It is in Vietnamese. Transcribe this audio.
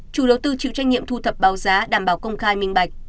chủ đầu tư chịu trách nhiệm thu thập báo giá đảm bảo công khai minh bạch